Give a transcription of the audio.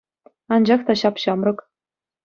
Анчах та ҫап-ҫамрӑк.